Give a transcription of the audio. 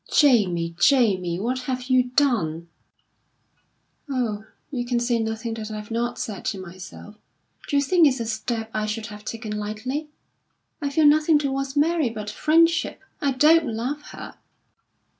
"Jamie, Jamie, what have you done?" "Oh, you can say nothing that I've not said to myself. D'you think it's a step I should have taken lightly? I feel nothing towards Mary but friendship. I don't love her."